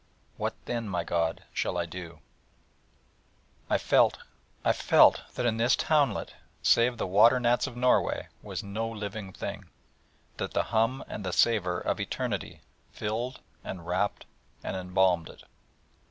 What then, my God, shall I do? I felt, I felt, that in this townlet, save the water gnats of Norway, was no living thing; that the hum and the savour of Eternity filled, and wrapped, and embalmed it.